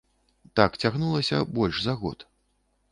Так цягнулася больш за год.